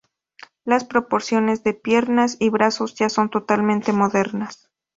Las proporciones de piernas y brazos ya son totalmente modernas.